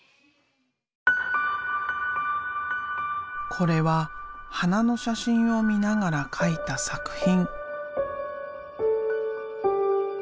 これは花の写真を見ながら描いた作品。